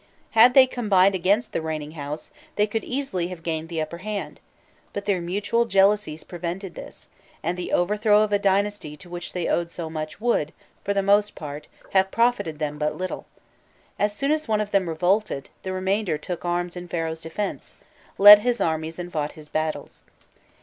Had they combined against the reigning house, they could easily have gained the upper hand, but their mutual jealousies prevented this, and the overthrow of a dynasty to which they owed so much would, for the most part, have profited them but little: as soon as one of them revolted, the remainder took arms in Pharaoh's defence, led his armies and fought his battles.